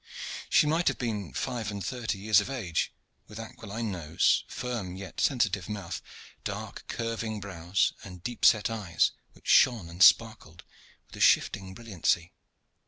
She might have been five and thirty years of age, with aquiline nose, firm yet sensitive mouth, dark curving brows, and deep set eyes which shone and sparkled with a shifting brilliancy.